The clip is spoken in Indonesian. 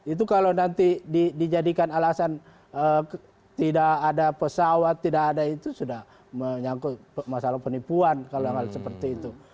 itu kalau nanti dijadikan alasan tidak ada pesawat tidak ada itu sudah menyangkut masalah penipuan kalau hal seperti itu